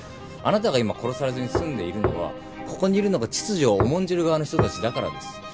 あなたが今殺されずに済んでいるのはここにいるのが秩序を重んじる側の人たちだからです。